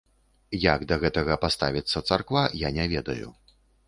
Як да гэтага паставіцца царква, я не ведаю.